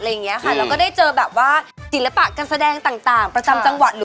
เราก็ได้เจอศิลปะกันแสดงต่างประจำจังหวัด